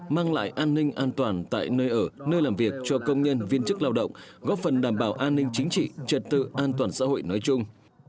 mang lại an ninh an toàn tại nơi ở nơi làm việc cho công nhân viên chức lao động góp phần đảm bảo an ninh chính trị trật tự an toàn xã hội nói chung